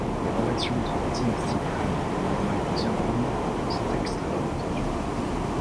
Les relations entre la Dynastie Han et les nomades Xiongnu sont extrêmement tendues.